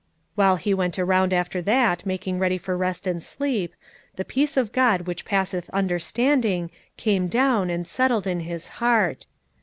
While he went around after that, making ready for rest and sleep, the "peace of God which passeth understanding" came down and settled in his heart.